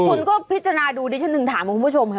คุณก็พิจารณาดูดิฉันถึงถามคุณผู้ชมค่ะ